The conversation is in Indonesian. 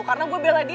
karena gue bela diri